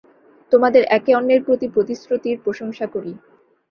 তোমাদের একে অন্যের প্রতি প্রতিশ্রুতির প্রশংসা করি।